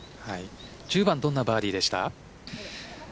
１０番はどんなバーディーでした？